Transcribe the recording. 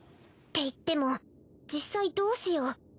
って言っても実際どうしよう。